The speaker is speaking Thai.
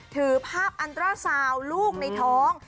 ถือภาพอันตราสาวลูกในท้อง